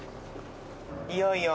いよいよ。